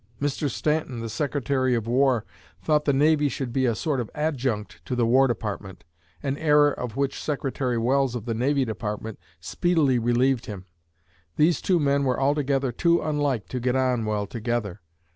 Mr. Stanton, the Secretary of War, thought the Navy should be a sort of adjunct to the War Department an error of which Secretary Welles of the Navy Department speedily relieved him. These two men were altogether too unlike to get on well together.